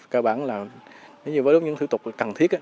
cơ bản là với những thủ tục cần thiết